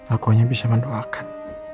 aku hanya bisa mendoakan